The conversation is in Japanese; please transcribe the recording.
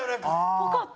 ぽかった！